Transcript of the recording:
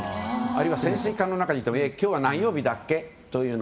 あるいは潜水艦の中にいると今日は何曜日だっけと。